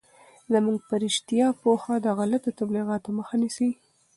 زموږ په رشتیا پوهه د غلطو تبلیغاتو مخه نیسي.